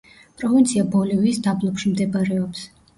პროვინცია ბოლივიის დაბლობში მდებარეობს.